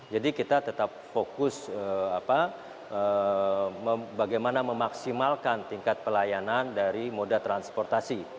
jadi kita tetap fokus bagaimana memaksimalkan tingkat pelayanan dari moda transportasi